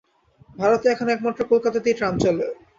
ভারতে এখন একমাত্র কলকাতাতেই ট্রাম চলে।